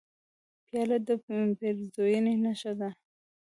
پیاله د پیرزوینې نښه ده.